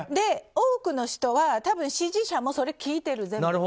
多くの人は多分支持者も全部それを聞いている。